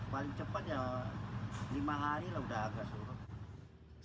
paling cepat ya lima hari lah udah agak surut